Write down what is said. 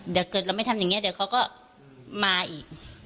เดี๋ยวเกิดเราไม่ทำอย่างนี้เดี๋ยวเขาก็มาอีก